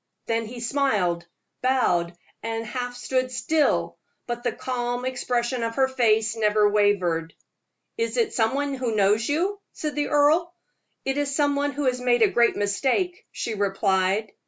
Then he smiled, bowed, and half stood still; but the calm expression of her face never wavered. "Is it some one who knows you?" asked the earl. "It is some one who has made a great mistake," she replied.